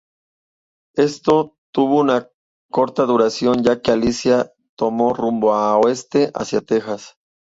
Esto tuvo una corta duración, ya que Alicia tomó rumbo oeste hacia Texas.